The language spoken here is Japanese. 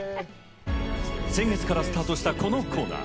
先月からスタートしたこのコーナー。